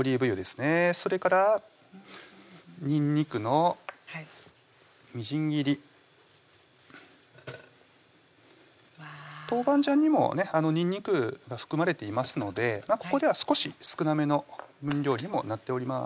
それからにんにくのみじん切り豆板醤にもにんにくが含まれていますのでここでは少し少なめの分量にもなっております